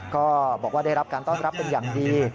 ก็บอกว่าได้รับการต้อนรับเป็นอย่างดี